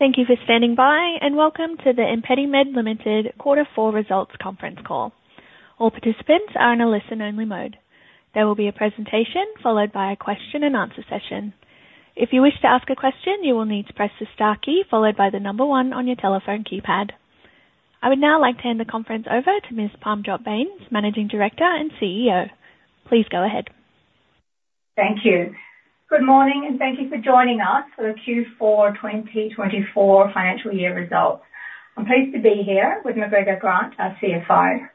Thank you for standing by and welcome to the ImpediMed Limited Quarter Four Results Conference Call. All participants are in a listen-only mode. There will be a presentation followed by a question-and-answer session. If you wish to ask a question, you will need to press the star key followed by the number one on your telephone keypad. I would now like to hand the conference over to Ms. Parmjot Bains, Managing Director and CEO. Please go ahead. Thank you. Good morning and thank you for joining us for the Q4 2024 financial year results. I'm pleased to be here with McGregor Grant, our CFO.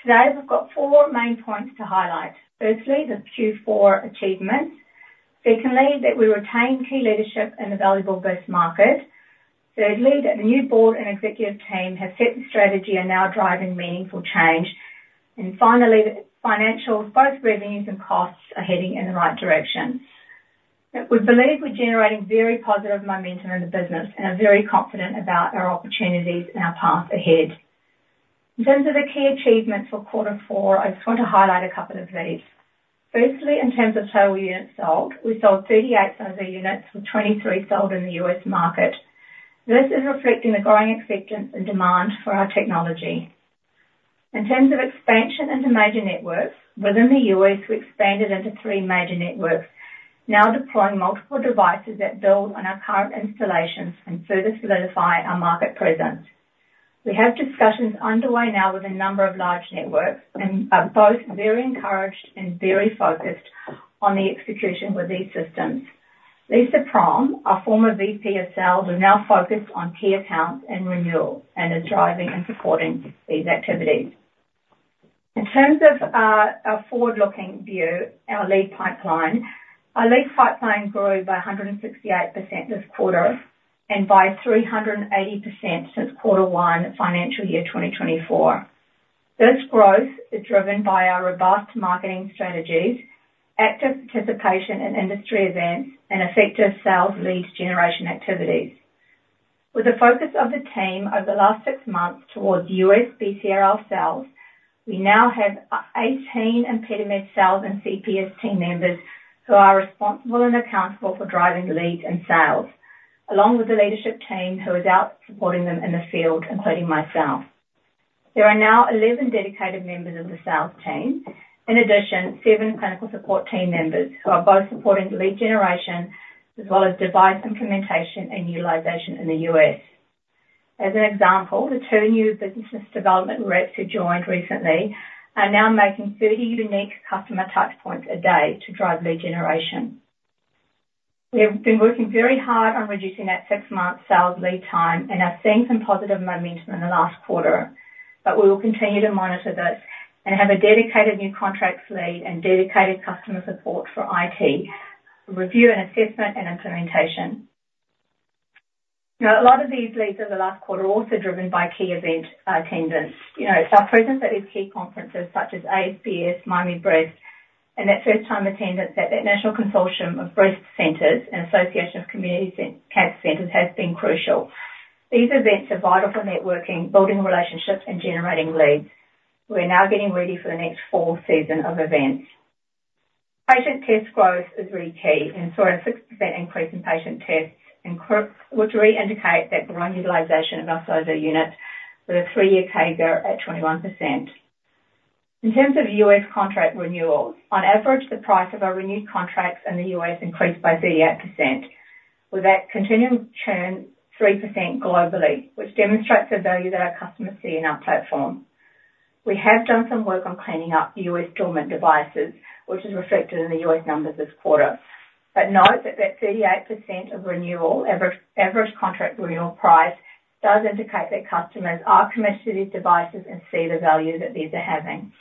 Today we've got four main points to highlight. Firstly, the Q4 achievements. Secondly, that we retain key leadership in the valuable growth market. Thirdly, that the new board and executive team have set the strategy and are now driving meaningful change. And finally, that financials, both revenues and costs, are heading in the right direction. We believe we're generating very positive momentum in the business and are very confident about our opportunities and our path ahead. In terms of the key achievements for Quarter Four, I just want to highlight a couple of these. Firstly, in terms of total units sold, we sold 38 of our units, with 23 sold in the U.S. market. This is reflecting the growing acceptance and demand for our technology. In terms of expansion into major networks, within the U.S., we expanded into three major networks, now deploying multiple devices that build on our current installations and further solidify our market presence. We have discussions underway now with a number of large networks, and both are very encouraged and very focused on the execution with these systems. Lisa Prahl, our former VP of Sales, is now focused on key accounts and renewal and is driving and supporting these activities. In terms of our forward-looking view, our lead pipeline, our lead pipeline grew by 168% this quarter and by 380% since quarter one of financial year 2024. This growth is driven by our robust marketing strategies, active participation in industry events, and effective sales lead generation activities. With the focus of the team over the last 6 months towards U.S. BCRL sales, we now have 18 ImpediMed sales and CPS team members who are responsible and accountable for driving leads and sales, along with the leadership team who is out supporting them in the field, including myself. There are now 11 dedicated members of the sales team, in addition to s clinical support team members who are both supporting lead generation as well as device implementation and utilization in the U.S. As an example, the 2 new business development reps who joined recently are now making 30 unique customer touchpoints a day to drive lead generation. We have been working very hard on reducing that six-month sales lead time and are seeing some positive momentum in the last quarter, but we will continue to monitor this and have a dedicated new contracts lead and dedicated customer support for IT review and assessment and implementation. A lot of these leads over the last quarter were also driven by key event attendance. Our presence at these key conferences such as ASBS, Miami Breast, and that first-time attendance at the National Consortium of Breast Centers and Association of Community Cancer Centers has been crucial. These events are vital for networking, building relationships, and generating leads. We're now getting ready for the next full season of events. Patient test growth is really key, and saw a 6% increase in patient tests, which really indicates that growing utilization of our sales units with a three-year CAGR at 21%. In terms of U.S. contract renewals, on average, the price of our renewed contracts in the U.S. increased by 38%, with that continuing to turn 3% globally, which demonstrates the value that our customers see in our platform. We have done some work on cleaning up U.S. dormant devices, which is reflected in the U.S. numbers this quarter. But note that that 38% of renewal, average contract renewal price, does indicate that customers are committed to these devices and see the value that these are having.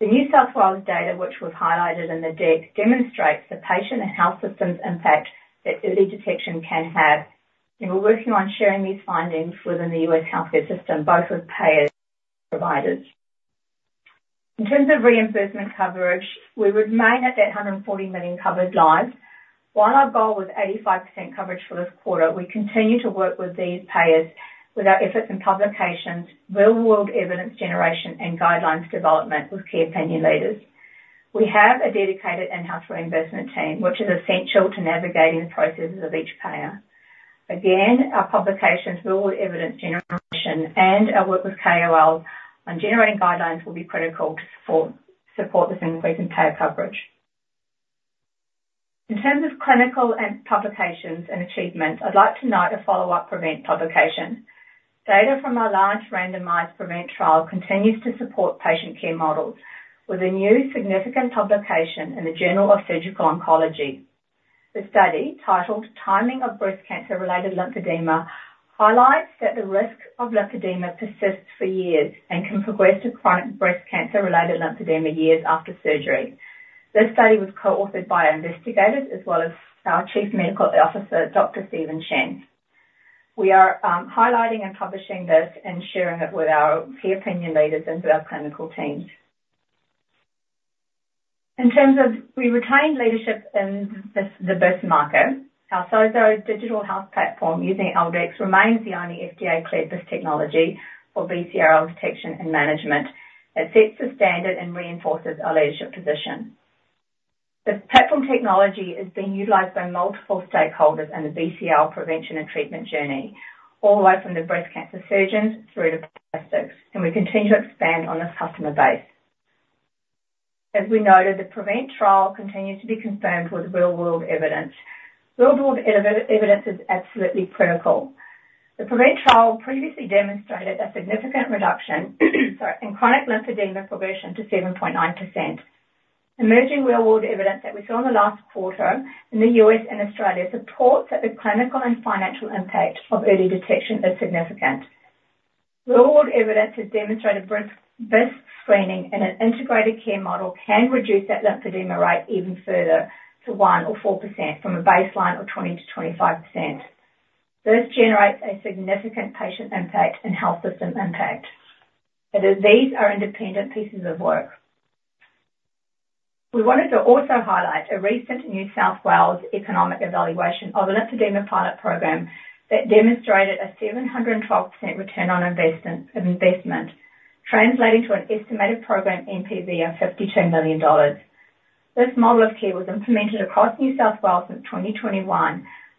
The New South Wales data, which was highlighted in the deck, demonstrates the patient and health systems impact that early detection can have. We're working on sharing these findings within the U.S. healthcare system, both with payers and providers. In terms of reimbursement coverage, we remain at that 140 million covered lives. While our goal was 85% coverage for this quarter, we continue to work with these payers with our efforts in publications, real-world evidence generation, and guidelines development with key opinion leaders. We have a dedicated in-house reimbursement team, which is essential to navigating the processes of each payer. Again, our publications, real-world evidence generation, and our work with KOLs on generating guidelines will be critical to support this increase in payer coverage. In terms of clinical publications and achievements, I'd like to note a follow-up PREVENT publication. Data from our large randomized PREVENT trial continues to support patient care models with a new significant publication in the Journal of Surgical Oncology. The study, titled Timing of Breast Cancer-Related Lymphedema, highlights that the risk of lymphedema persists for years and can progress to chronic breast cancer-related lymphedema years after surgery. This study was co-authored by our investigators as well as our Chief Medical Officer, Dr. Steven Chen. We are highlighting and publishing this and sharing it with our key opinion leaders and to our clinical teams. In terms of, we retain leadership in the BCRL market. Our SOZO digital health platform using L-Dex remains the only FDA-cleared technology for BCRL detection and management. It sets the standard and reinforces our leadership position. This platform technology is being utilized by multiple stakeholders in the BCRL prevention and treatment journey, all the way from the breast cancer surgeons through to plastics, and we continue to expand on this customer base. As we noted, the PREVENT trial continues to be confirmed with real-world evidence. Real-world evidence is absolutely critical. The PREVENT trial previously demonstrated a significant reduction in chronic lymphedema progression to 7.9%. Emerging real-world evidence that we saw in the last quarter in the U.S. and Australia supports that the clinical and financial impact of early detection is significant. Real-world evidence has demonstrated breast screening and an integrated care model can reduce that lymphedema rate even further to 1% or 4% from a baseline of 20%-25%. This generates a significant patient impact and health system impact. These are independent pieces of work. We wanted to also highlight a recent New South Wales economic evaluation of a lymphedema pilot program that demonstrated a 712% return on investment, translating to an estimated program NPV of $52 million. This model of care was implemented across New South Wales since 2021,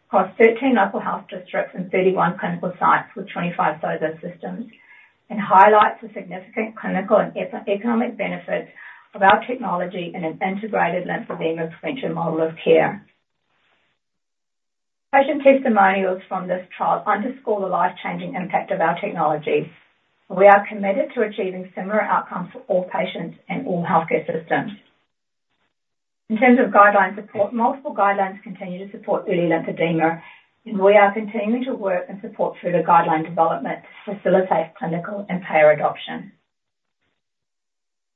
across 13 local health districts and 31 clinical sites with 25 SOZO systems, and highlights the significant clinical and economic benefits of our technology and an integrated lymphedema prevention model of care. Patient testimonials from this trial underscore the life-changing impact of our technology. We are committed to achieving similar outcomes for all patients and all healthcare systems. In terms of guideline support, multiple guidelines continue to support early lymphedema, and we are continuing to work and support through the guideline development to facilitate clinical and payer adoption.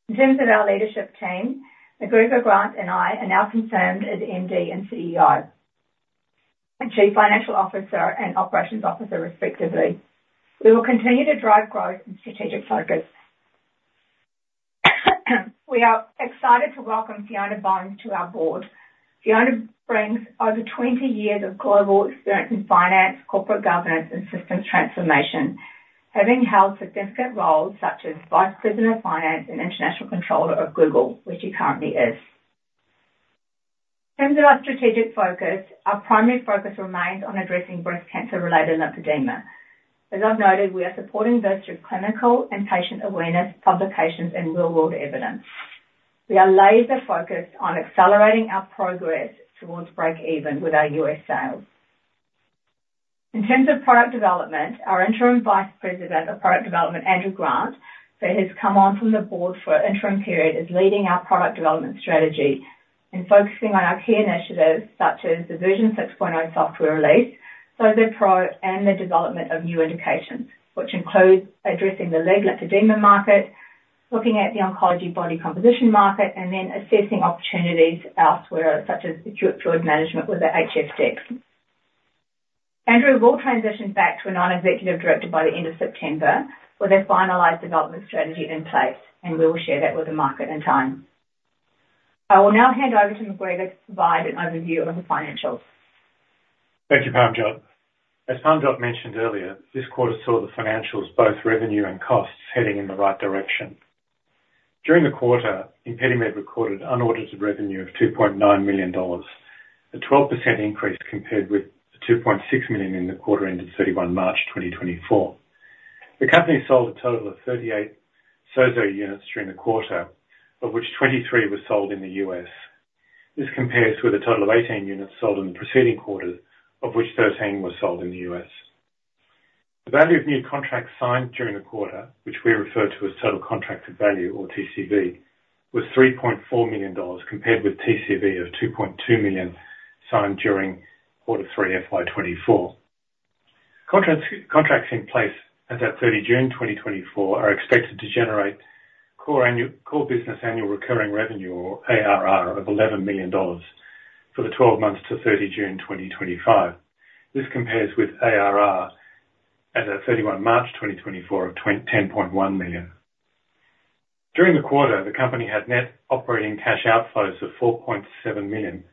In terms of our leadership team, McGregor Grant and I are now confirmed as MD and CEO and Chief Financial Officer and Chief Operations Officer, respectively. We will continue to drive growth and strategic focus. We are excited to welcome Fiona Bones to our board. Fiona brings over 20 years of global experience in finance, corporate governance, and systems transformation, having held significant roles such as Vice President of Finance and International Controller of Google, which she currently is. In terms of our strategic focus, our primary focus remains on addressing breast cancer-related lymphedema. As I've noted, we are supporting both through clinical and patient awareness publications and real-world evidence. We are laser-focused on accelerating our progress towards break-even with our US sales. In terms of product development, our interim Vice President of Product Development, Andrew Grant, who has come on from the board for an interim period, is leading our product development strategy and focusing on our key initiatives such as the Version 6.0 software release, SOZO Pro, and the development of new indications, which includes addressing the leg lymphedema market, looking at the oncology body composition market, and then assessing opportunities elsewhere such as acute fluid management with the HF-Dex. Andrew will transition back to a non-executive director by the end of September with a finalized development strategy in place, and we will share that with the market in time. I will now hand over to McGregor to provide an overview of the financials. Thank you, Parmjot. As Parmjot mentioned earlier, this quarter saw the financials, both revenue and costs, heading in the right direction. During the quarter, ImpediMed recorded recurring revenue of $2.9 million, a 12% increase compared with the $2.6 million in the quarter ended March 31 2024. The company sold a total of 38 SOZO units during the quarter, of which 23 were sold in the U.S. This compares with a total of 18 units sold in the preceding quarter, of which 13 were sold in the U.S. The value of new contracts signed during the quarter, which we refer to as total contracted value or TCV, was $3.4 million compared with TCV of $2.2 million signed during quarter three, FY2024. Contracts in place as of June 30 2024 are expected to generate core business Annual Recurring Revenue or ARR of 11 million dollars for the 12 months to June30 2025. This compares with ARR as of March 31 2024 of 10.1 million. During the quarter, the company had net operating cash outflows of 4.7 million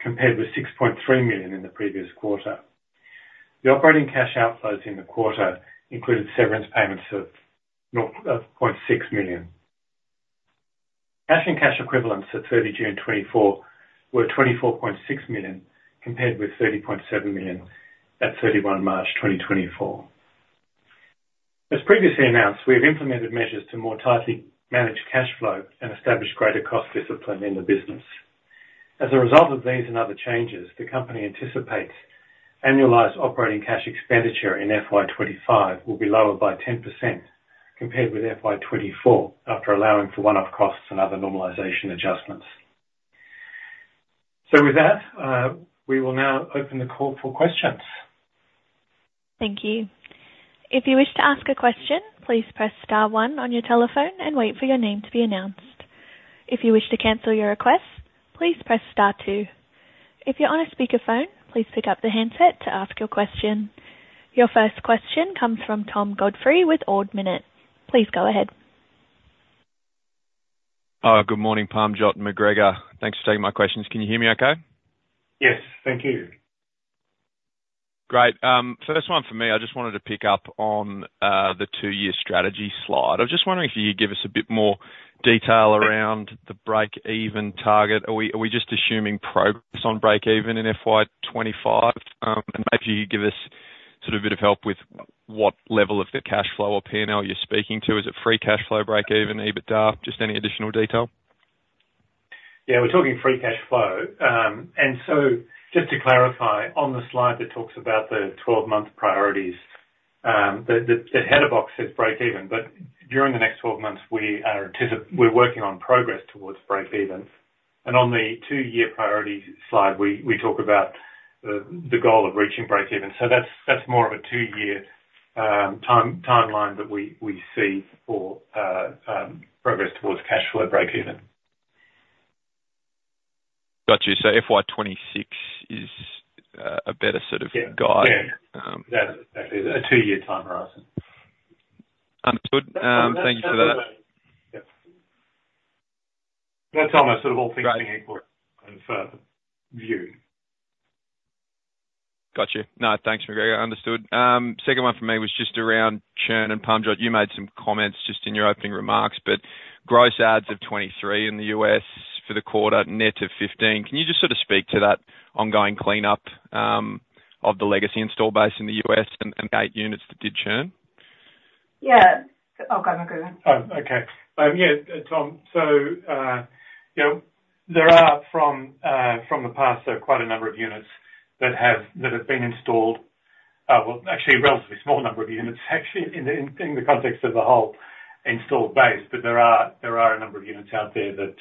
compared with 6.3 million in the previous quarter. The operating cash outflows in the quarter included severance payments of 0.6 million. Cash and cash equivalents at June 30 2024 were 24.6 million compared with 30.7 million at March 31 2024. As previously announced, we have implemented measures to more tightly manage cash flow and establish greater cost discipline in the business. As a result of these and other changes, the company anticipates annualized operating cash expenditure in FY25 will be lower by 10% compared with FY24 after allowing for one-off costs and other normalization adjustments. So with that, we will now open the call for questions. Thank you. If you wish to ask a question, please press star one on your telephone and wait for your name to be announced. If you wish to cancel your request, please press star two. If you're on a speakerphone, please pick up the handset to ask your question. Your first question comes from Tom Godfrey with Ord Minnett. Please go ahead. Good morning, Parmjot and McGregor. Thanks for taking my questions. Can you hear me okay? Yes, thank you. Great. First one for me, I just wanted to pick up on the two-year strategy slide. I was just wondering if you could give us a bit more detail around the break-even target. Are we just assuming progress on break-even in FY2025? And maybe if you could give us sort of a bit of help with what level of the cash flow or P&L you're speaking to. Is it free cash flow break-even, EBITDA? Just any additional detail? Yeah, we're talking free cash flow. And so just to clarify, on the slide that talks about the 12-month priorities, the head of box says break-even, but during the next 12 months, we are working on progress towards break-even. And on the two-year priority slide, we talk about the goal of reaching break-even. So that's more of a two-year timeline that we see for progress towards cash flow break-even. Got you. So FY2026 is a better sort of guide. Yeah, exactly. A two-year time horizon. Understood. Thank you for that. That's almost sort of all things being equal and further view. Got you. No, thanks, McGregor. Understood. Second one for me was just around Chen and Parmjot. You made some comments just in your opening remarks, but gross adds of 23 in the U.S. for the quarter, net of 15. Can you just sort of speak to that ongoing cleanup of the legacy install base in the U.S. and the eight units that did churn? Yeah. Oh, go ahead, McGregor. Oh, okay. Yeah, Tom. So there are from the past, there are quite a number of units that have been installed, well, actually a relatively small number of units, actually, in the context of the whole installed base. But there are a number of units out there that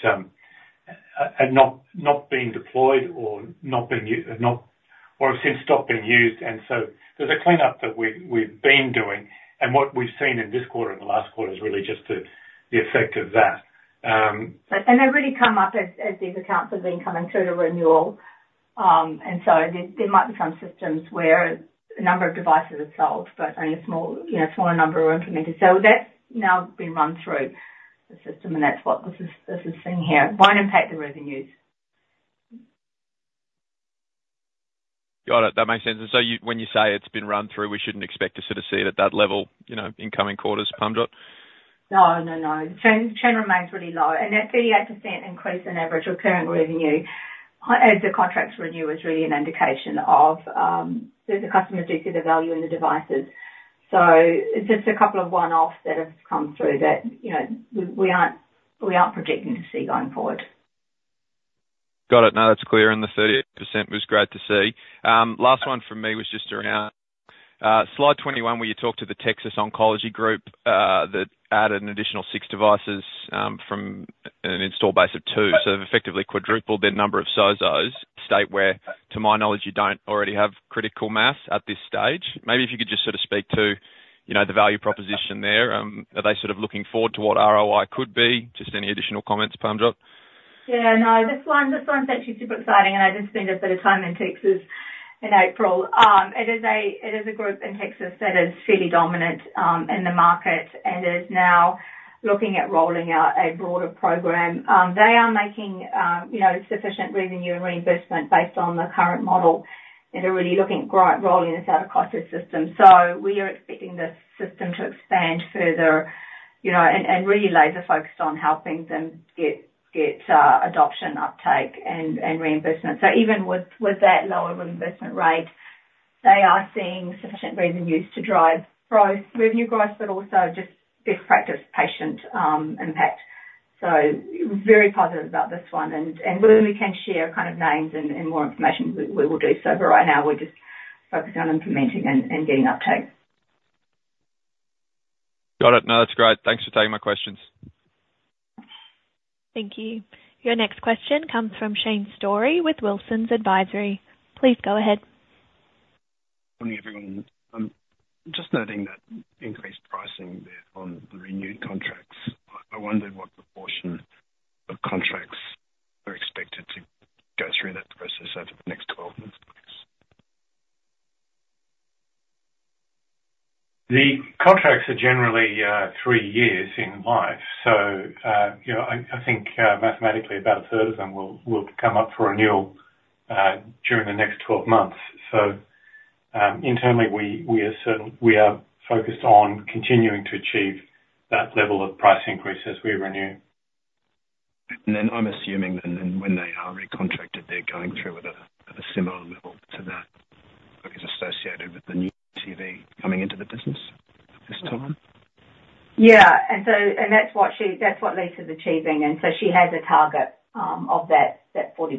have not been deployed or have since stopped being used. And so there's a cleanup that we've been doing. And what we've seen in this quarter and the last quarter is really just the effect of that. They really come up as these accounts have been coming through to renewal. So there might be some systems where a number of devices have sold, but only a smaller number were implemented. That's now been run through the system, and that's what this is seeing here. It won't impact the revenues. Got it. That makes sense. And so when you say it's been run through, we shouldn't expect to sort of see it at that level in coming quarters, Parmjot? No, no, no. Chen remains pretty low. That 38% increase in average recurring revenue as the contract renew is really an indication of the customer's decent value in the devices. It's just a couple of one-offs that have come through that we aren't projecting to see going forward. Got it. No, that's clear. And the 38% was great to see. Last one for me was just around slide 21 where you talked to the Texas Oncology that added an additional six devices from an installed base of two. So they've effectively quadrupled their number of SOZOs. A state where, to my knowledge, you don't already have critical mass at this stage. Maybe if you could just sort of speak to the value proposition there. Are they sort of looking forward to what ROI could be? Just any additional comments, Parmjot? Yeah, no. This one's actually super exciting, and I just spent a bit of time in Texas in April. It is a group in Texas that is fairly dominant in the market and is now looking at rolling out a broader program. They are making sufficient revenue and reimbursement based on the current model, and they're really looking at rolling this out across their system. So we are expecting this system to expand further and really laser-focused on helping them get adoption, uptake, and reimbursement. So even with that lower reimbursement rate, they are seeing sufficient revenues to drive revenue growth, but also just best practice patient impact. So very positive about this one. And when we can share kind of names and more information, we will do. So for right now, we're just focusing on implementing and getting uptake. Got it. No, that's great. Thanks for taking my questions. Thank you. Your next question comes from Shane Story with Wilsons Advisory. Please go ahead. Good morning, everyone. I'm just noting that increased pricing on the renewed contracts. I wonder what proportion of contracts are expected to go through that process over the next 12 months. The contracts are generally three years in life. So I think mathematically, about a third of them will come up for renewal during the next 12 months. So internally, we are focused on continuing to achieve that level of price increase as we renew. I'm assuming that when they are recontracted, they're going through with a similar level to that that is associated with the new TCV coming into the business at this time. Yeah. That's what Lisa's achieving. She has a target of that 40%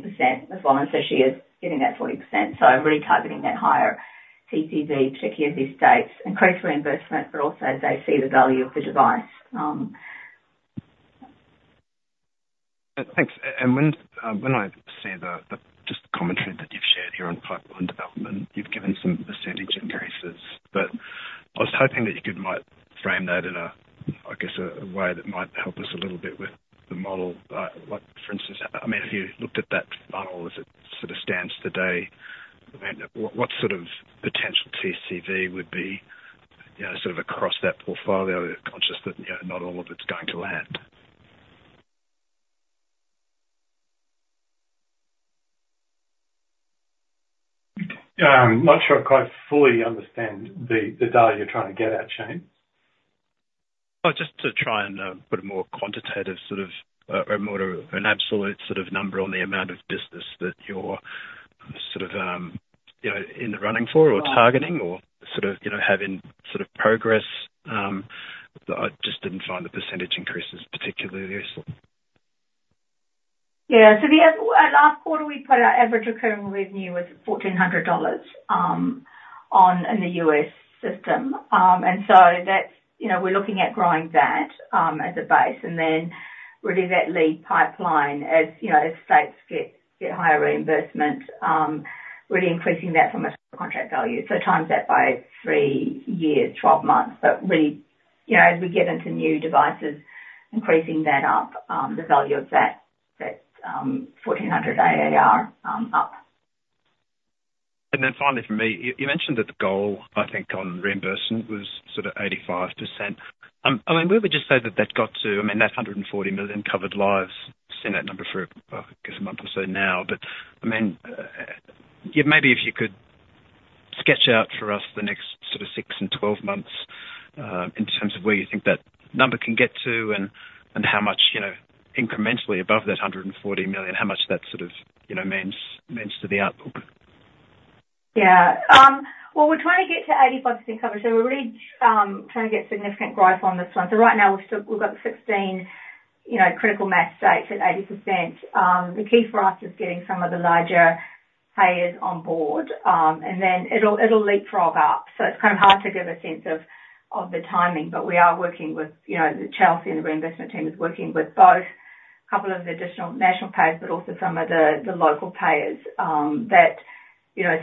as well. She is getting that 40%. I'm really targeting that higher TCV, particularly as these states increase reimbursement, but also they see the value of the device. Thanks. And when I see just the commentary that you've shared here on pipeline development, you've given some percentage increases. But I was hoping that you could might frame that in a, I guess, a way that might help us a little bit with the model. For instance, I mean, if you looked at that funnel as it sort of stands today, what sort of potential TCV would be sort of across that portfolio? Conscious that not all of it's going to land. I'm not sure I quite fully understand the data you're trying to get at, Shane. Well, just to try and put a more quantitative sort of or more of an absolute sort of number on the amount of business that you're sort of in the running for or targeting or sort of having sort of progress, I just didn't find the percentage increases particularly useful. Yeah. So last quarter, we put our average recurring revenue was $1,400 in the US system. And so we're looking at growing that as a base and then really that lead pipeline as states get higher reimbursement, really increasing that from a contract value. So times that by three years, 12 months. But really, as we get into new devices, increasing that up, the value of that $1,400 ARR up. And then finally for me, you mentioned that the goal, I think, on reimbursement was sort of 85%. I mean, we would just say that that got to, I mean, that 140 million covered lives seen that number for, I guess, a month or so now. But I mean, maybe if you could sketch out for us the next sort of six and 12 months in terms of where you think that number can get to and how much incrementally above that 140 million, how much that sort of means to the outlook. Yeah. Well, we're trying to get to 85% coverage. So we're really trying to get significant growth on this one. So right now, we've got 16 critical mass states at 80%. The key for us is getting some of the larger payers on board. And then it'll leapfrog up. So it's kind of hard to give a sense of the timing. But we are working with Chelsea and the reimbursement team is working with both a couple of additional national payers, but also some of the local payers that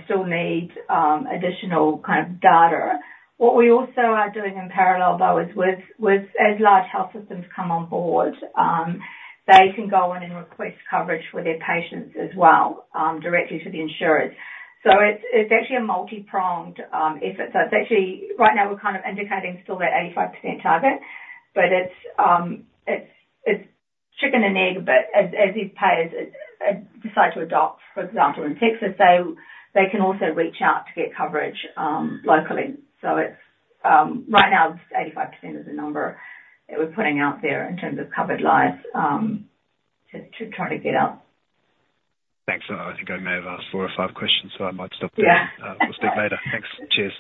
still need additional kind of data. What we also are doing in parallel, though, is with as large health systems come on board, they can go in and request coverage for their patients as well directly to the insurers. So it's actually a multi-pronged effort. It's actually right now, we're kind of indicating still that 85% target, but it's chicken and egg. As these payers decide to adopt, for example, in Texas, they can also reach out to get coverage locally. Right now, 85% is the number that we're putting out there in terms of covered lives to try to get out. Thanks. I think I may have asked four or five questions, so I might stop there. We'll speak later. Thanks. Cheers.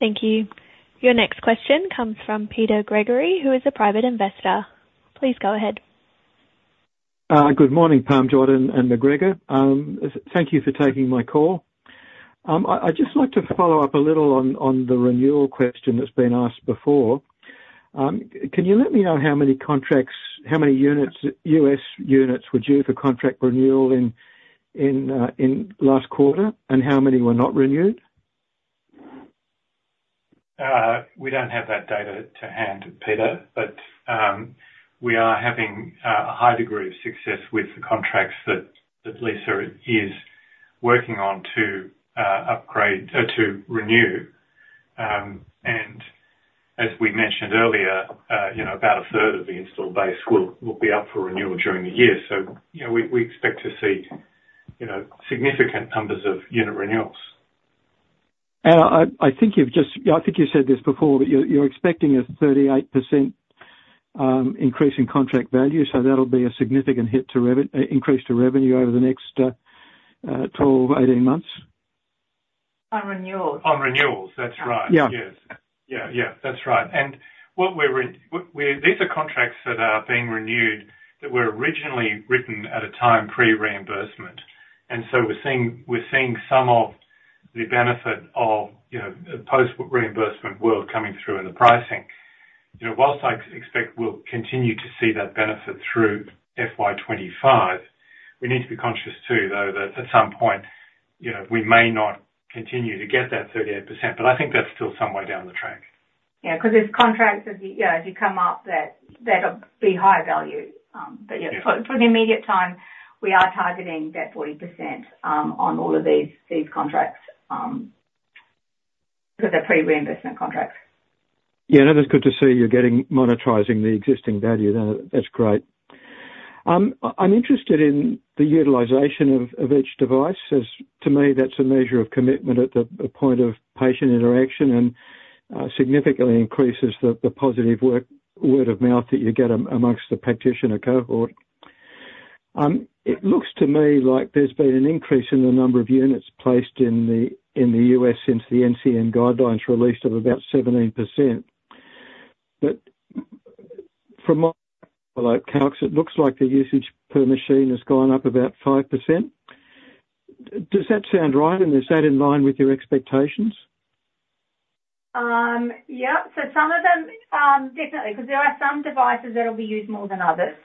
Thank you. Your next question comes from Peter Gregory, who is a private investor. Please go ahead. Good morning, Parmjot and McGregor. Thank you for taking my call. I'd just like to follow up a little on the renewal question that's been asked before. Can you let me know how many units, US units, were due for contract renewal in last quarter and how many were not renewed? We don't have that data to hand, Peter, but we are having a high degree of success with the contracts that Lisa is working on to upgrade or to renew. As we mentioned earlier, about a third of the installed base will be up for renewal during the year. We expect to see significant numbers of unit renewals. I think you've just I think you said this before, but you're expecting a 38% increase in contract value. So that'll be a significant increase to revenue over the next 12-18 months. On renewals. On renewals, that's right. Yes. Yeah, yeah, that's right. And these are contracts that are being renewed that were originally written at a time pre-reimbursement. And so we're seeing some of the benefit of a post-reimbursement world coming through in the pricing. Whilst I expect we'll continue to see that benefit through FY2025, we need to be conscious too, though, that at some point, we may not continue to get that 38%. But I think that's still somewhere down the track. Yeah, because there's contracts, yeah, as you come up that'll be high value. But for the immediate time, we are targeting that 40% on all of these contracts because they're pre-reimbursement contracts. Yeah, that is good to see you're monetizing the existing value. That's great. I'm interested in the utilization of each device. To me, that's a measure of commitment at the point of patient interaction and significantly increases the positive word of mouth that you get amongst the practitioner cohort. It looks to me like there's been an increase in the number of units placed in the U.S. since the NCCN guidelines released of about 17%. But from my work, it looks like the usage per machine has gone up about 5%. Does that sound right? And is that in line with your expectations? Yep. So some of them, definitely, because there are some devices that will be used more than others.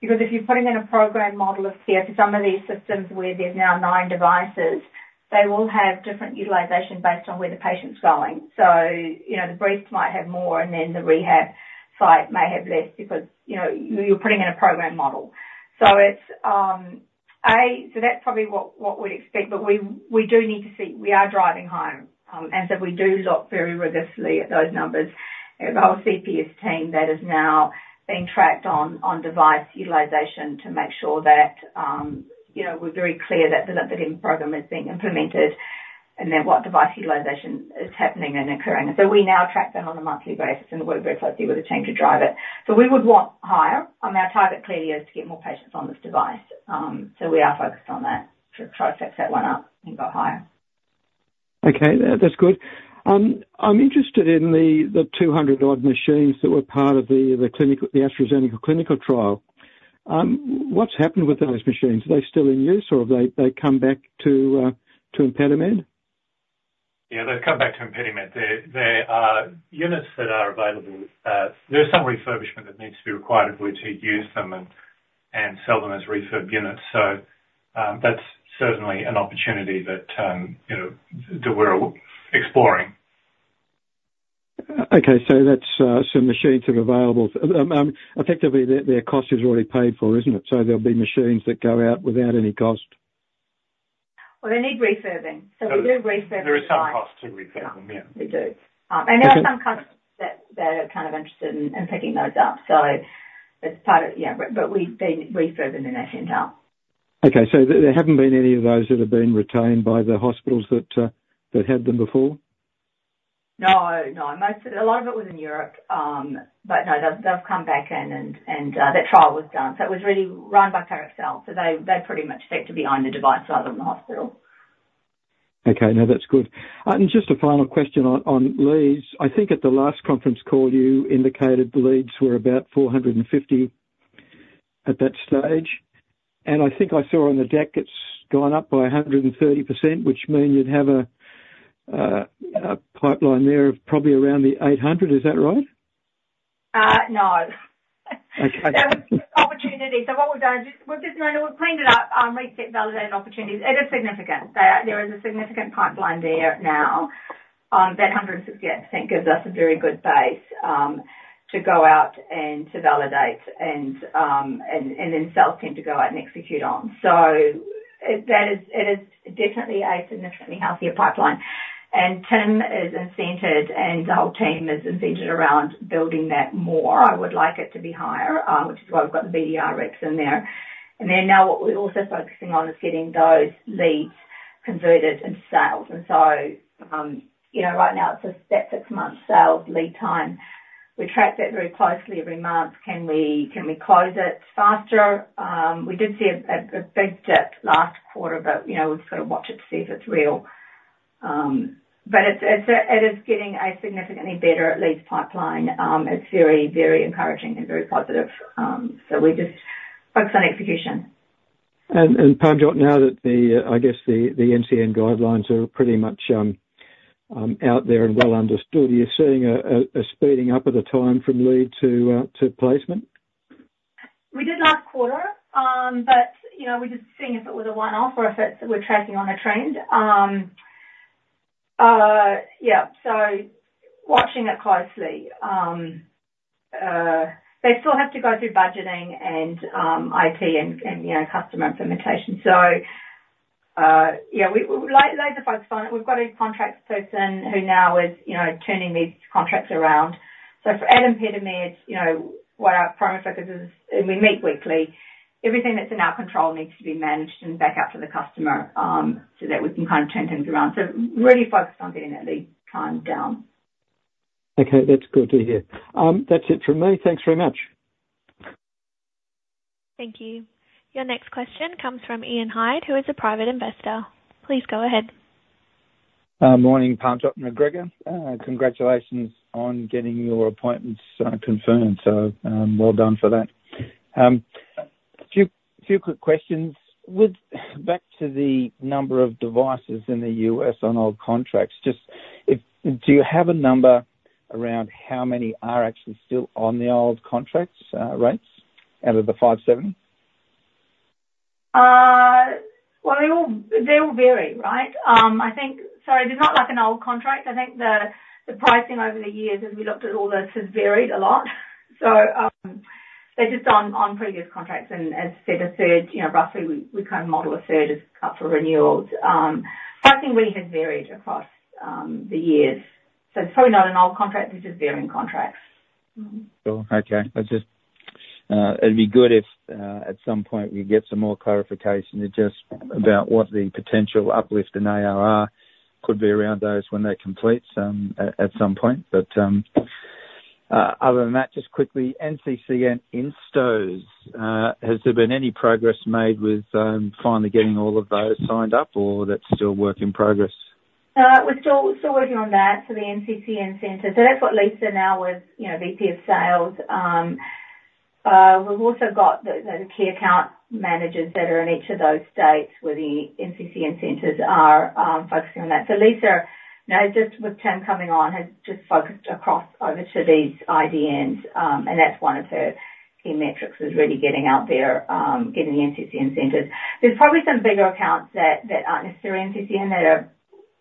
Because if you're putting in a program model of care for some of these systems where there's now nine devices, they will have different utilization based on where the patient's going. So the brief might have more, and then the rehab site may have less because you're putting in a program model. So that's probably what we'd expect. But we do need to see we are driving home. And so we do look very rigorously at those numbers. Our CPS team that is now being tracked on device utilization to make sure that we're very clear that the program is being implemented and then what device utilization is happening and occurring. And so we now track that on a monthly basis, and we're very closely with a team to drive it. We would want higher. I mean, our target clearly is to get more patients on this device. We are focused on that to try to fix that one up and go higher. Okay. That's good. I'm interested in the 200-odd machines that were part of the AstraZeneca clinical trial. What's happened with those machines? Are they still in use, or have they come back to ImpediMed? Yeah, they've come back to ImpediMed. There are units that are available. There is some refurbishment that needs to be required if we're to use them and sell them as refurb units. So that's certainly an opportunity that we're exploring. Okay. So machines are available. Effectively, their cost is already paid for, isn't it? So there'll be machines that go out without any cost. Well, they need refurbing. So we do refurb them. There is some cost to refurb them, yeah. We do. And there are some companies that are kind of interested in picking those up. So it's part of, yeah. But we've been refurbing in that handout. Okay. So there haven't been any of those that have been retained by the hospitals that had them before? No, no. A lot of it was in Europe. But no, they've come back in, and that trial was done. So it was really run by AstraZeneca. So they pretty much stayed to be on the device rather than the hospital. Okay. No, that's good. Just a final question on leads. I think at the last conference call, you indicated the leads were about 450 at that stage. And I think I saw on the deck it's gone up by 130%, which means you'd have a pipeline there of probably around the 800. Is that right? No. There was an opportunity. So what we've done is we've just gone we've cleaned it up, reset, validated opportunities. It is significant. There is a significant pipeline there now that 168% gives us a very good base to go out and to validate and then sell to them to go out and execute on. So it is definitely a significantly healthier pipeline. And Tim is incented, and the whole team is incented around building that more. I would like it to be higher, which is why we've got the BDR reps in there. And then now what we're also focusing on is getting those leads converted into sales. And so right now, it's that six-month sales lead time. We track that very closely every month. Can we close it faster? We did see a big dip last quarter, but we've got to watch it to see if it's real. It is getting a significantly better leads pipeline. It's very, very encouraging and very positive. We just focus on execution. Parmjot, now that I guess the NCCN guidelines are pretty much out there and well understood, are you seeing a speeding up of the time from lead to placement? We did last quarter, but we're just seeing if it was a one-off or if we're tracking on a trend. Yeah. So watching it closely. They still have to go through budgeting and IT and customer implementation. So yeah, laser focus on it. We've got a contract person who now is turning these contracts around. So for at ImpediMed, what our primary focus is, and we meet weekly, everything that's in our control needs to be managed and back up to the customer so that we can kind of turn things around. So really focused on getting that lead time down. Okay. That's good to hear. That's it from me. Thanks very much. Thank you. Your next question comes from Ian Hyde, who is a private investor. Please go ahead. Morning, Parmjot, McGregor. Congratulations on getting your appointments confirmed. So well done for that. A few quick questions. Back to the number of devices in the U.S. on old contracts, just do you have a number around how many are actually still on the old contracts rates out of the 570? Well, they will vary, right? I think, sorry, they're not like an old contract. I think the pricing over the years, as we looked at all this, has varied a lot. So they're just on previous contracts. And as I said, a third roughly, we kind of model a third as up for renewals. Pricing really has varied across the years. So it's probably not an old contract. They're just varying contracts. Sure. Okay. It'd be good if at some point we get some more clarification just about what the potential uplift in ARR could be around those when they complete at some point. But other than that, just quickly, NCCN Instos, has there been any progress made with finally getting all of those signed up, or that's still work in progress? We're still working on that for the NCCN centers. So that's what Lisa now is VP of Sales. We've also got the key account managers that are in each of those states where the NCCN centers are focusing on that. So Lisa, just with Tim coming on, has just focused across over to these IDNs. And that's one of her key metrics is really getting out there, getting the NCCN centers. There's probably some bigger accounts that aren't necessarily NCCN that are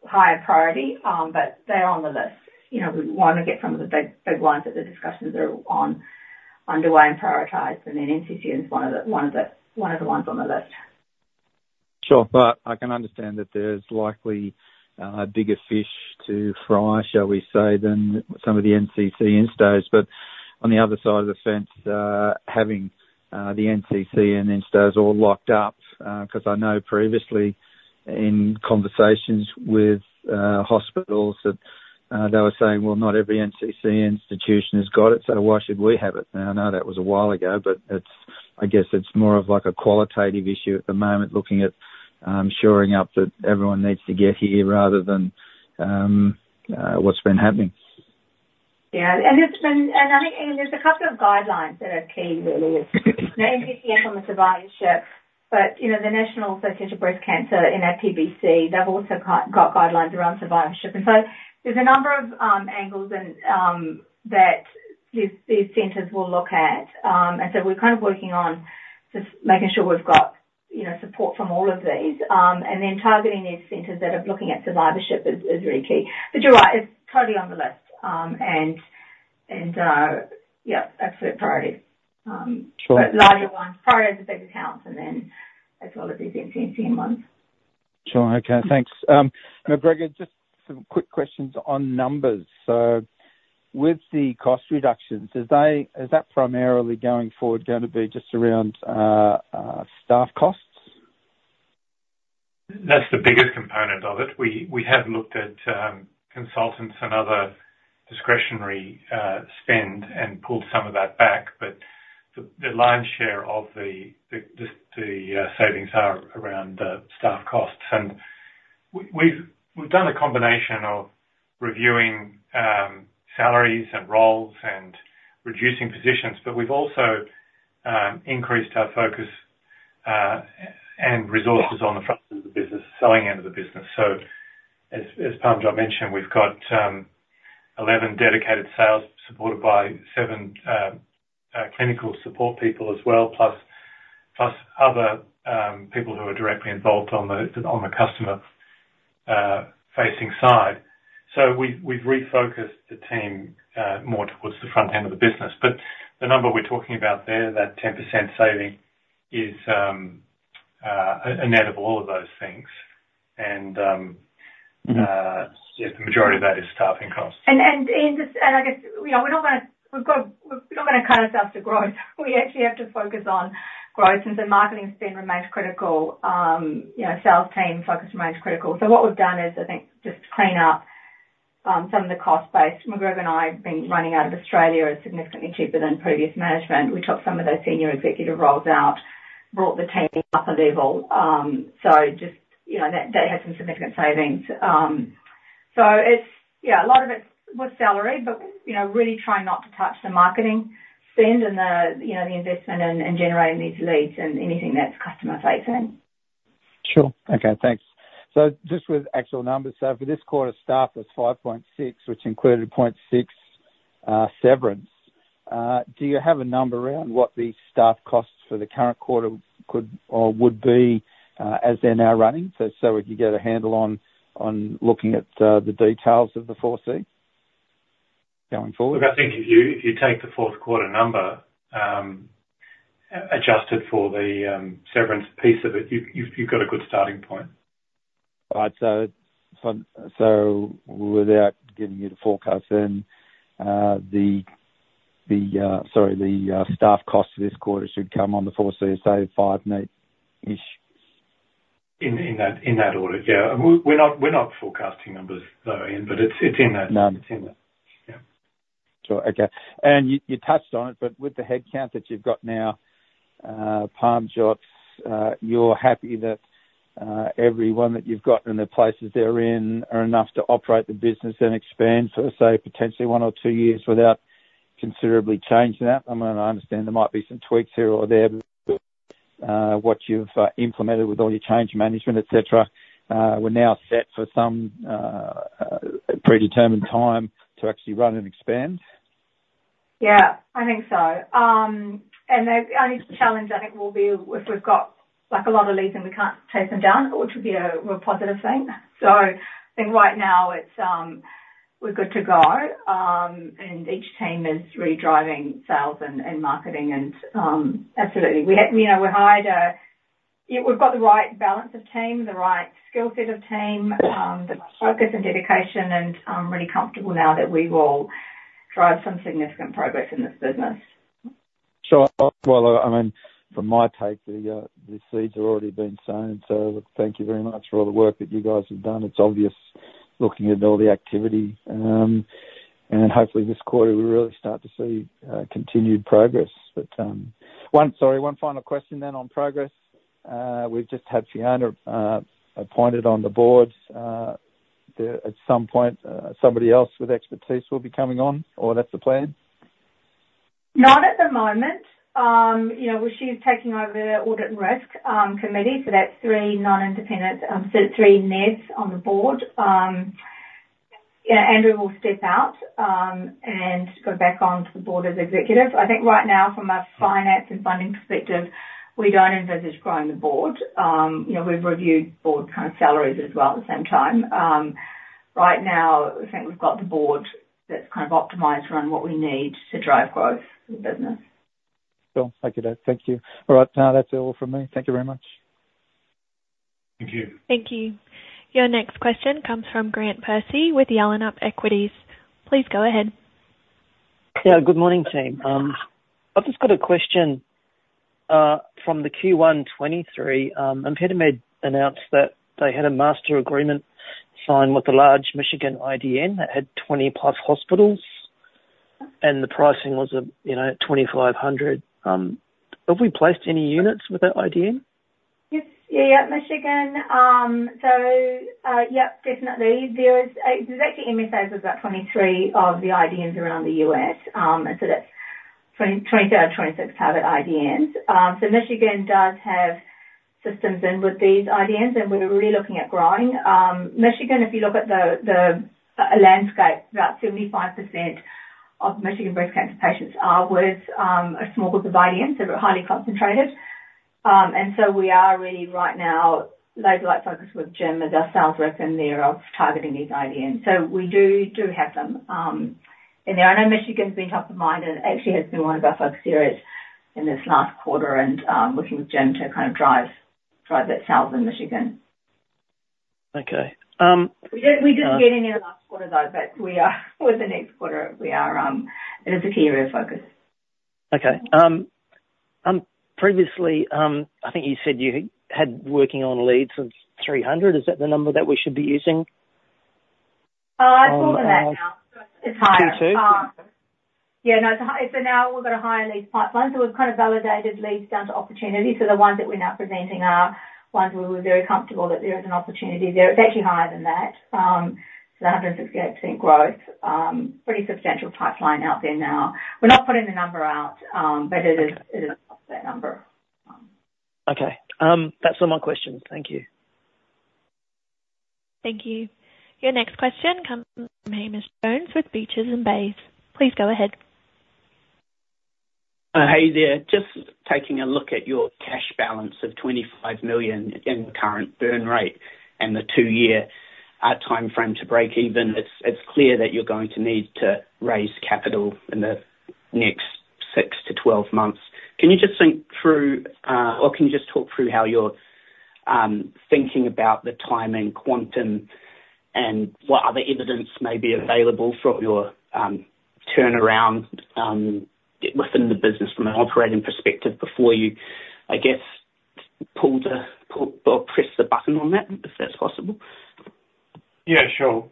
higher priority, but they're on the list. We want to get some of the big ones that the discussions are on underway and prioritized. And then NCCN is one of the ones on the list. Sure. But I can understand that there's likely a bigger fish to fry, shall we say, than some of the NCCN stays. But on the other side of the fence, having the NCCN installs all locked up, because I know previously in conversations with hospitals that they were saying, "Well, not every NCCN institution has got it, so why should we have it?" And I know that was a while ago, but I guess it's more of like a qualitative issue at the moment looking at shoring up that everyone needs to get here rather than what's been happening. Yeah. And I think there's a couple of guidelines that are key, really. The NCCN from the survivorship, but the National Association of Breast Cancer in FPBC, they've also got guidelines around survivorship. And so there's a number of angles that these centers will look at. And so we're kind of working on just making sure we've got support from all of these. And then targeting these centers that are looking at survivorship is really key. But you're right. It's totally on the list. And yeah, absolute priority. But larger ones, priority is the big accounts and then as well as these NCCN ones. Sure. Okay. Thanks. McGregor, just some quick questions on numbers. So with the cost reductions, is that primarily going forward going to be just around staff costs? That's the biggest component of it. We have looked at consultants and other discretionary spend and pulled some of that back. But the lion's share of the savings are around staff costs. And we've done a combination of reviewing salaries and roles and reducing positions, but we've also increased our focus and resources on the front end of the business, selling end of the business. So as Parmjot mentioned, we've got 11 dedicated sales supported by seven clinical support people as well, plus other people who are directly involved on the customer-facing side. So we've refocused the team more towards the front end of the business. But the number we're talking about there, that 10% saving, is a net of all of those things. And yeah, the majority of that is staffing costs. And I guess we're not going to cut ourselves to growth. We actually have to focus on growth since the marketing spend remains critical. Sales team focus remains critical. So what we've done is, I think, just clean up some of the cost base. McGregor and I have been running out of Australia significantly cheaper than previous management. We took some of those senior executive roles out, brought the team up a level. So just they had some significant savings. So yeah, a lot of it was salary, but really trying not to touch the marketing spend and the investment in generating these leads and anything that's customer-facing. Sure. Okay. Thanks. So just with actual numbers, so for this quarter, staff was 5.6, which included 0.6 severance. Do you have a number around what the staff costs for the current quarter could or would be as they're now running? So if you get a handle on looking at the details of the 4C going forward. Look, I think if you take the fourth quarter number adjusted for the severance piece of it, you've got a good starting point. All right. Without giving you the forecast, the staff costs this quarter should come on the 4C, say, AUD 5.8-ish. In that order, yeah. We're not forecasting numbers, though, Ian, but it's in there. No, it's in there. Yeah. Sure. Okay. And you touched on it, but with the headcount that you've got now, Parmjot, you're happy that everyone that you've got in the places they're in are enough to operate the business and expand for, say, potentially one or two years without considerably changing that? I mean, I understand there might be some tweaks here or there, but what you've implemented with all your change management, etc., we're now set for some predetermined time to actually run and expand? Yeah, I think so. And the only challenge, I think, will be if we've got a lot of leads and we can't chase them down, which would be a real positive thing. So I think right now we're good to go. And each team is really driving sales and marketing. And absolutely, we've hired and we've got the right balance of team, the right skill set of team, the focus and dedication, and really comfortable now that we will drive some significant progress in this business. Sure. Well, I mean, from my take, the seeds have already been sown. So thank you very much for all the work that you guys have done. It's obvious looking at all the activity. And hopefully, this quarter, we really start to see continued progress. But sorry, one final question then on progress. We've just had Fiona appointed on the board. At some point, somebody else with expertise will be coming on, or that's the plan? Not at the moment. She's taking over the audit and risk committee. So that's three non-independent non-execs on the board. Andrew will step out and go back onto the board as executive. I think right now, from a finance and funding perspective, we don't envisage growing the board. We've reviewed board kind of salaries as well at the same time. Right now, I think we've got the board that's kind of optimized around what we need to drive growth for the business. Sure. Thank you, Dave. Thank you. All right. That's all from me. Thank you very much. Thank you. Thank you. Your next question comes from Grant Percy with Yellin Up Equities. Please go ahead. Yeah. Good morning, team. I've just got a question from the Q123. ImpediMed announced that they had a master agreement signed with a large Michigan IDN that had 20+ hospitals, and the pricing was at $2,500. Have we placed any units with that IDN? Yeah. Yeah. Michigan. So yeah, definitely. It's exactly MSAs of that 23 of the IDNs around the U.S. And so that's 23rd and 26th have it IDNs. So Michigan does have systems in with these IDNs, and we're really looking at growing Michigan. If you look at the landscape, about 75% of Michigan breast cancer patients are with a small group of IDNs, so they're highly concentrated. And so we are really right now laser-light focused with Jim as our sales rep in there of targeting these IDNs. So we do have them in there. I know Michigan's been top of mind and actually has been one of our focus areas in this last quarter and working with Jim to kind of drive that sales in Michigan. Okay. We didn't get any in the last quarter, though, but with the next quarter, it is a key area of focus. Okay. Previously, I think you said you had working on leads of 300. Is that the number that we should be using? I've brought them back now. It's higher. 22? Yeah. No, it's now we've got a higher leads pipeline. So we've kind of validated leads down to opportunity. So the ones that we're now presenting are ones where we're very comfortable that there is an opportunity there. It's actually higher than that. So 168% growth, pretty substantial pipeline out there now. We're not putting the number out, but it is a number. Okay. That's all my questions. Thank you. Thank you. Your next question comes from Hamish Jones with Beaches and Bays. Please go ahead. Hey there. Just taking a look at your cash balance of 25 million in current burn rate and the two-year timeframe to break even, it's clear that you're going to need to raise capital in the next 6-12 months. Can you just think through, or can you just talk through how you're thinking about the time and quantum and what other evidence may be available for your turnaround within the business from an operating perspective before you, I guess, pull the or press the button on that, if that's possible? Yeah, sure.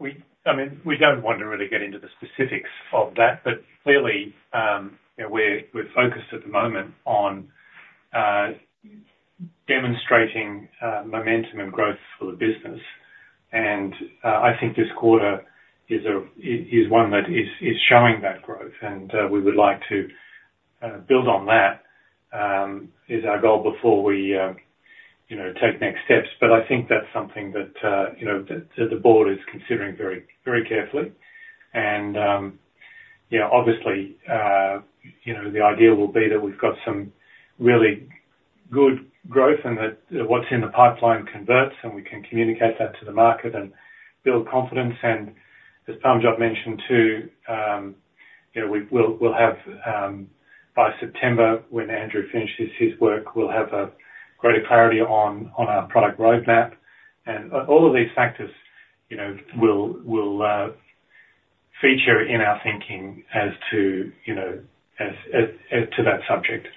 I mean, we don't want to really get into the specifics of that, but clearly, we're focused at the moment on demonstrating momentum and growth for the business. I think this quarter is one that is showing that growth. We would like to build on that as our goal before we take next steps. But I think that's something that the board is considering very carefully. Yeah, obviously, the idea will be that we've got some really good growth and that what's in the pipeline converts, and we can communicate that to the market and build confidence. As Parmjot mentioned too, we'll have by September, when Andrew finishes his work, we'll have greater clarity on our product roadmap. All of these factors will feature in our thinking as to that subject.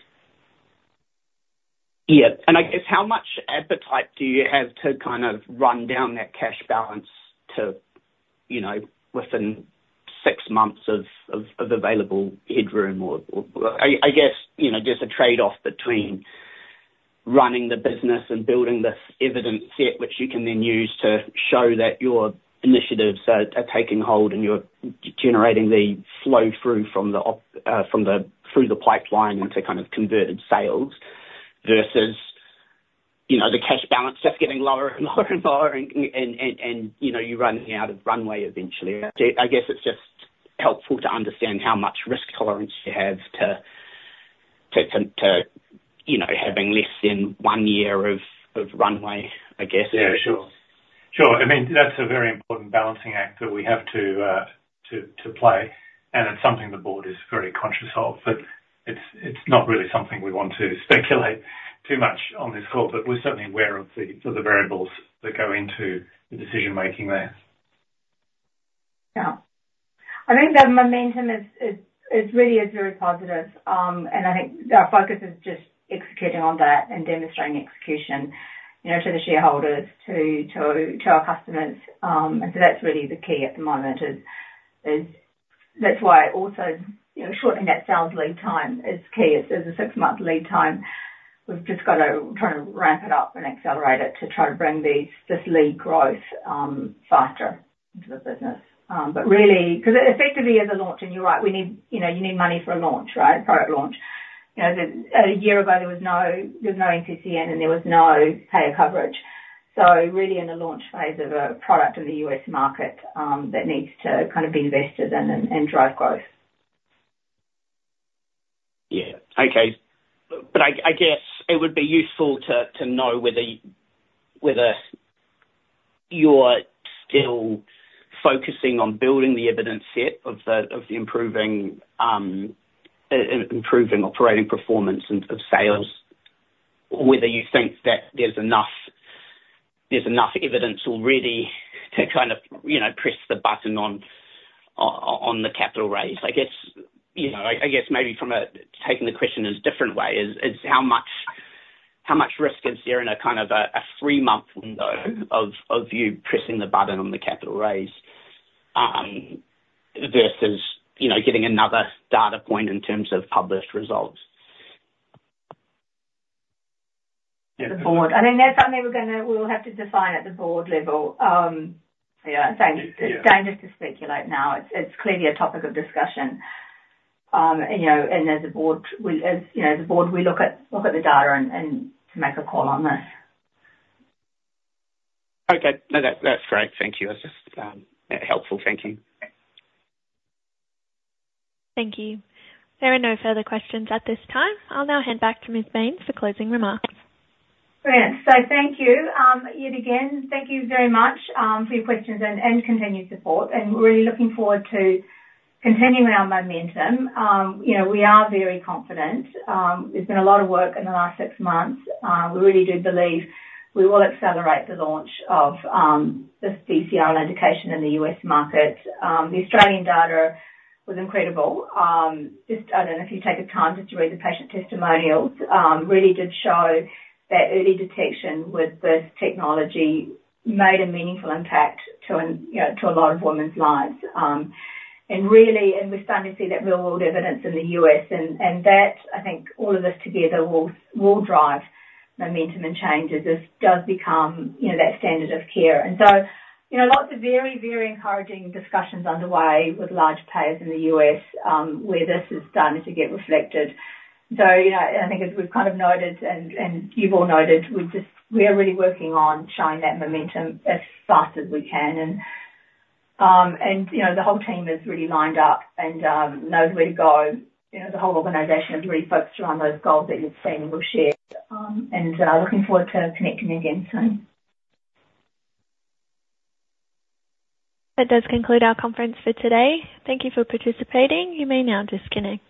Yeah. I guess, how much appetite do you have to kind of run down that cash balance within six months of available headroom? I guess there's a trade-off between running the business and building this evidence set, which you can then use to show that your initiatives are taking hold and you're generating the flow through from the pipeline into kind of converted sales versus the cash balance just getting lower and lower and lower, and you're running out of runway eventually. I guess it's just helpful to understand how much risk tolerance you have to having less than one year of runway, I guess. Yeah, sure. Sure. I mean, that's a very important balancing act that we have to play. And it's something the board is very conscious of. But it's not really something we want to speculate too much on this call, but we're certainly aware of the variables that go into the decision-making there. Yeah. I think the momentum is really very positive. And I think our focus is just executing on that and demonstrating execution to the shareholders, to our customers. And so that's really the key at the moment. That's why also shortening that sales lead time is key. It's a six-month lead time. We've just got to try to ramp it up and accelerate it to try to bring this lead growth faster into the business. Because effectively, as a launch, and you're right, you need money for a launch, right? Product launch. A year ago, there was no NCCN, and there was no payer coverage. So really in the launch phase of a product in the U.S. market that needs to kind of be invested in and drive growth. Yeah. Okay. But I guess it would be useful to know whether you're still focusing on building the evidence set of improving operating performance and of sales, whether you think that there's enough evidence already to kind of press the button on the capital raise? I guess maybe from taking the question in a different way is how much risk is there in a kind of a 3-month window of you pressing the button on the capital raise versus getting another data point in terms of published results? The board. I think that's something we will have to define at the board level. Yeah. Dangerous to speculate now. It's clearly a topic of discussion. As a board, we look at the data and make a call on this. Okay. No, that's great. Thank you. That's just helpful thinking. Thank you. There are no further questions at this time. I'll now hand back to Ms. Bains for closing remarks. Brilliant. So thank you yet again. Thank you very much for your questions and continued support. We're really looking forward to continuing our momentum. We are very confident. There's been a lot of work in the last six months. We really do believe we will accelerate the launch of this BCRL and education in the U.S. market. The Australian data was incredible. Just I don't know if you take the time just to read the patient testimonials. Really did show that early detection with this technology made a meaningful impact to a lot of women's lives. Really, we're starting to see that real-world evidence in the U.S. And that, I think all of us together will drive momentum and change as this does become that standard of care. And so lots of very, very encouraging discussions underway with large payers in the U.S. where this is starting to get reflected. So I think as we've kind of noted, and you've all noted, we're really working on showing that momentum as fast as we can. And the whole team is really lined up and knows where to go. The whole organization is really focused around those goals that you've seen and we've shared. And looking forward to connecting again soon. That does conclude our conference for today. Thank you for participating. You may now disconnect.